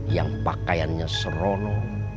yang pakaiannya serono